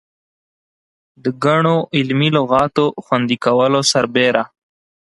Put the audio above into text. د ګڼو علمي لغاتو خوندي کولو سربېره.